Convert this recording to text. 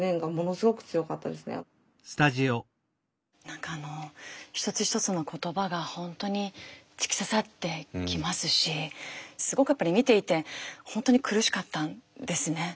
何かあの一つ一つの言葉が本当に突き刺さってきますしすごくやっぱり見ていて本当に苦しかったんですね。